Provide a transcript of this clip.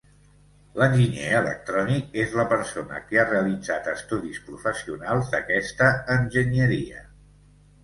L'Enginyer electrònic és la persona que ha realitzat estudis professionals d'aquesta enginyeria.